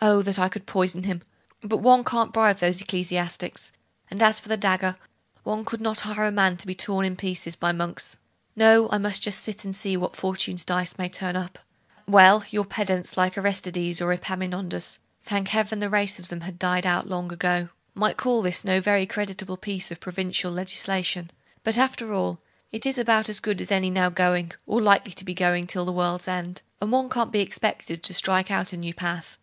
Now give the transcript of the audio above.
Oh, that I could poison him! But one can't bribe those ecclesiastics; and as for the dagger, one could not hire a man to be torn in pieces by monks. No; I must just sit still, and see what Fortune's dice may turn up. Well, your pedants like Aristides or Epaminondas thank Heaven, the race of them has died out long ago! might call this no very creditable piece of provincial legislation; but after all, it is about as good as any now going, or likely to be going till the world's end; and one can't be expected to strike out a new path.